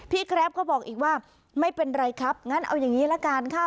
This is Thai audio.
แกรปก็บอกอีกว่าไม่เป็นไรครับงั้นเอาอย่างนี้ละกันค่ะ